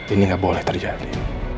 ini nggak boleh terjadi